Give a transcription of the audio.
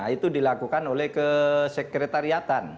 itu dilakukan oleh kesekretariatan